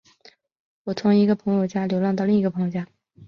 我从一个朋友家流浪到另一个朋友家。